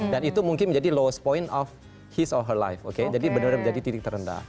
dan itu mungkin menjadi lowest point of his or her life oke jadi benar benar menjadi titik terendah